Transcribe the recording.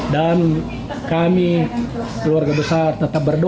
dan kami keluarga besar tetap berdoa